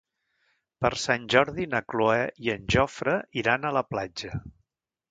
Per Sant Jordi na Cloè i en Jofre iran a la platja.